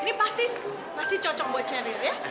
ini pasti pasti cocok buat sherry ya